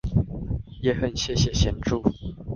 也很謝謝協助